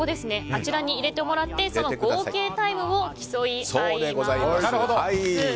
あちらに入れてもらってその合計タイムを競い合います。